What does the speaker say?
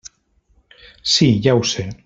Sí, ja ho sé.